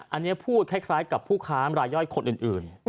อันนี้พูดคล้ายกับผู้ค้ามรายย่อยคนอื่น